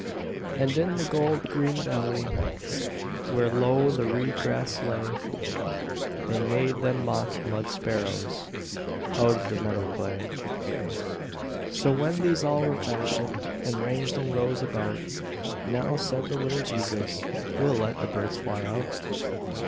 And in the gold green valley, Where low the reed grass lay, They made them mock mud sparrows Out of the meadow clay. So, when these all were fashioned, And ranged in rows about, "Now," said the little Jesus, "We'll let the birds fly out."